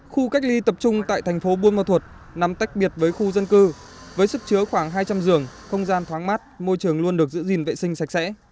khu cách ly tập trung tại thành phố buôn ma thuột nằm tách biệt với khu dân cư với sức chứa khoảng hai trăm linh giường không gian thoáng mát môi trường luôn được giữ gìn vệ sinh sạch sẽ